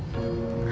aku kasian sama rena